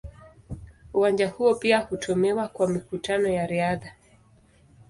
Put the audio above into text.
Uwanja huo pia hutumiwa kwa mikutano ya riadha.